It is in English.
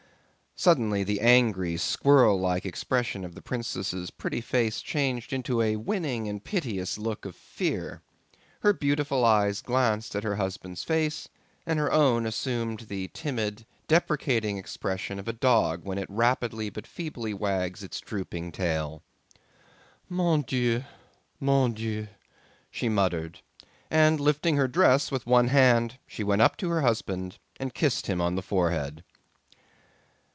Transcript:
Suddenly the angry, squirrel like expression of the princess' pretty face changed into a winning and piteous look of fear. Her beautiful eyes glanced askance at her husband's face, and her own assumed the timid, deprecating expression of a dog when it rapidly but feebly wags its drooping tail. "Mon Dieu, mon Dieu!" she muttered, and lifting her dress with one hand she went up to her husband and kissed him on the forehead.